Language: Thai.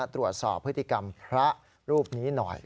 ตรวจสอบพฤติกรรมพระรูปนี้หน่อย